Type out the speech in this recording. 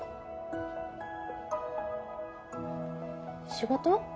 仕事？